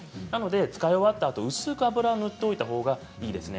使い終わったあとに薄く油を塗っておいたほうがいいですね。